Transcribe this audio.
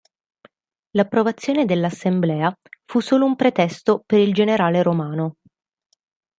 L'approvazione dell'assemblea fu solo un pretesto per il generale romano.